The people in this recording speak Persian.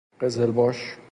قزل باش